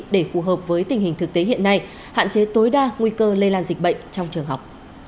để phù hợp với tình hình thực tế hiện nay hạn chế tối đa nguy cơ lây lan dịch bệnh trong trường học